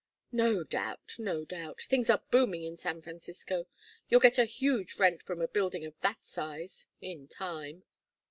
"No doubt, no doubt. Things are booming in San Francisco. You'll get a huge rent from a building of that size in time.